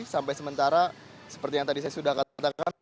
sampai sementara seperti yang tadi saya sudah katakan